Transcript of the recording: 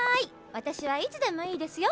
わたしはいつでもいいですよ。